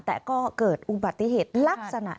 แต่ก็เกิดอุบัติเหตุลักษณะ